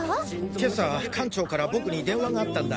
今朝館長から僕に電話があったんだ